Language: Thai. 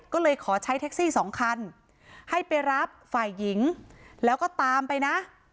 ก็เลยขอใช้แท็กซี่สองคันให้ไปรับฝ่ายหญิงแล้วก็ตามไปนะ